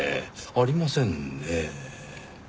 ありませんねぇ。